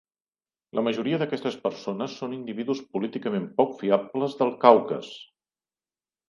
La majoria d'aquestes persones són individus políticament poc fiables del Caucas.